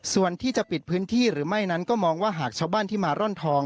ส่วนที่จะปิดพื้นที่หรือไม่นั้นก็มองว่าหากชาวบ้านที่มาร่อนทอง